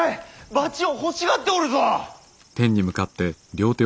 バチを欲しがっておるぞ！